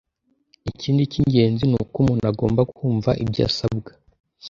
ikindi cy'ingenzi ni uko umuntu agomba kumva ibyo asabwa